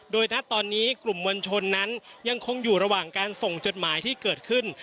โดยณตอนนี้กลุ่มมวลชนนั้นยังคงอยู่ระหว่างการส่งจดหมายที่เกิดขึ้น